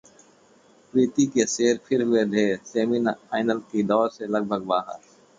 प्रीति के शेर फिर हुए ढेर, सेमीफाइनल की दौड़ से लगभग बाहर